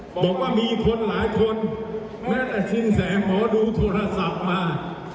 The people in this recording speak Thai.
บอกว่ามีคนหลายคนแม้แต่สินแสหมอดูโทรศัพท์มา